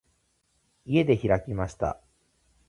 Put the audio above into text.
家で開きました。